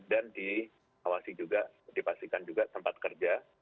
dan diawasi juga dipastikan juga tempat kerja